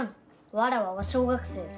わらわは小学生ぞ。